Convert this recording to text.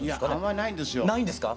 あんまりないんですよ。